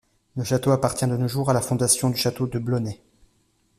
Le château appartient de nos jours à la fondation du château de Blonay.